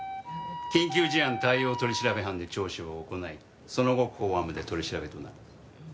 緊急事案対応取調班で聴取を行いその後公安部で取り調べとなる。